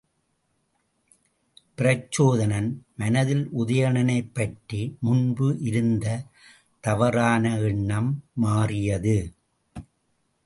பிரச்சோதனன் மனத்தில் உதயனனைப் பற்றி முன்பு இருந்த தவறான எண்ணம் மாறியது.